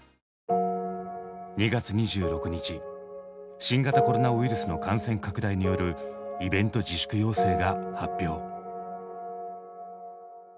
２月２６日新型コロナウイルスの感染拡大によるイベント自粛要請が発表。